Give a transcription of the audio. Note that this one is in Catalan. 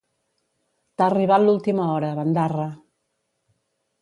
T'ha arribat l'última hora, bandarra.